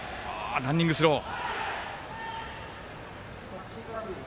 ランニングスロー。